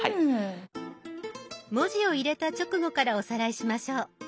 文字を入れた直後からおさらいしましょう。